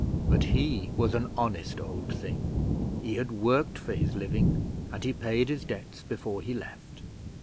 But he was an honest Old Thing. He had worked for his living and he paid his debts before he left.